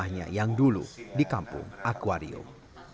namun tidak ada yang bisa diberikan kepadanya yang dulu di kampung akwarium